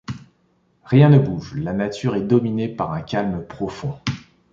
Rien ne bouge - la nature est dominée par un calme profond.